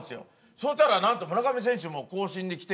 そしたらなんと村上選手も更新に来てて。